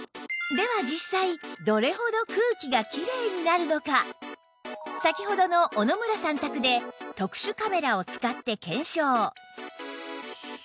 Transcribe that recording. では実際どれほど空気がきれいになるのか先ほどの小野村さん宅で特殊カメラを使って検証